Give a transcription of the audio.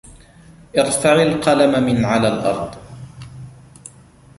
ارفع القلم من على الأرض.